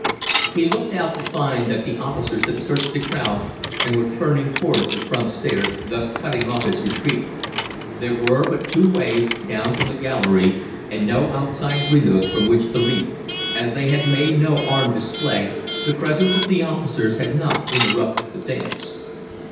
He looked out to find that the officers had searched the crowd and were turning towards the front stairs, thus cutting off his retreat. There were but two ways down from the gallery and no outside windows from which to leap. As they had made no armed display, the presence of the officers had not interrupted the dance.